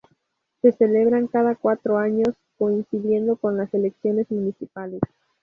Se celebran cada cuatro años, coincidiendo con las elecciones municipales.